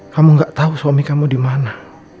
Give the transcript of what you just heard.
kamu gak tahu suami kamu di mana